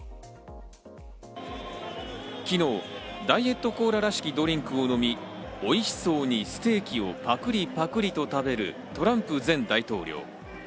昨日ダイエットコーラらしきドリンクを飲み、おいしそうにステーキをパクリパクリと食べるトランプ前大統領。